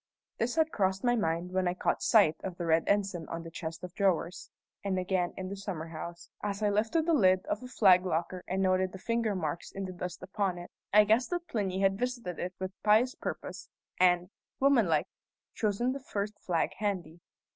This had crossed my mind when I caught sight of the red ensign on the chest of drawers; and again in the summer house, as I lifted the lid of the flag locker and noted the finger marks in the dust upon it, I guessed that Plinny had visited it with pious purpose, and, woman like, chosen the first flag handy.